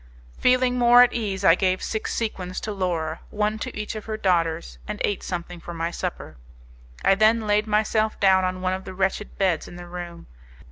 Feeling more at ease I gave six sequins to Laura, one to each of her daughters, and ate something for my supper: I then laid myself down on one of the wretched beds in the room.